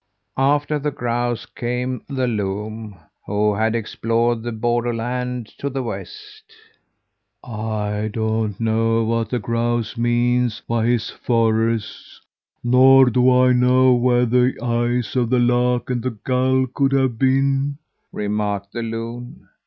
"After the grouse came the loon, who had explored the borderland to the west. "I don't know what the grouse means by his forests, nor do I know where the eyes of the lark and the gull could have been,' remarked the loon.